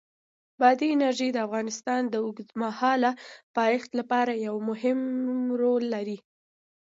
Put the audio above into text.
بادي انرژي د افغانستان د اوږدمهاله پایښت لپاره یو مهم رول لري.